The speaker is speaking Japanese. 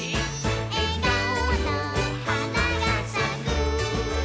「えがおのはながさく」